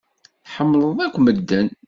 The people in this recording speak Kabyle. Tḥemmleḍ akk medden.